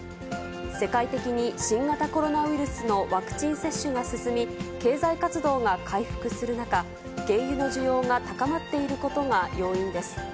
世界的に新型コロナウイルスのワクチン接種が進み、経済活動が回復する中、原油の需要が高まっていることが要因です。